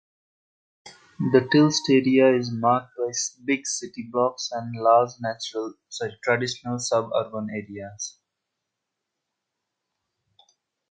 The Tilst area is marked by big city blocks and large traditional suburban areas.